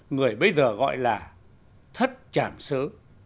người bây giờ gọi là thất chảm sớ